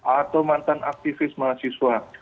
atau mantan aktivis mahasiswa